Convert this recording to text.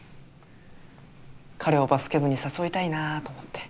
彼をバスケ部に誘いたいなと思って。